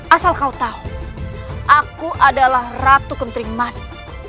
asal kau tahu aku adalah ratu kentering manik